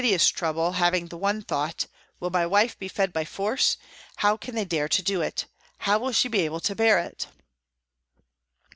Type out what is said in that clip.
216 PRISONS AND PRISONERS trouble, having the one thought " Will my wife be fed by force how can they dare to do it ? How will she be able to bear it